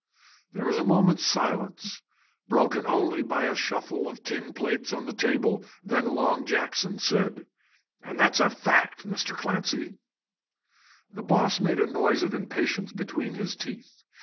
There was a moment's silence, broken only by a shuffle of tin plates on the table. Then Long Jackson said "An' that's a fact, Mr. Clancy." The boss made a noise of impatience between his teeth.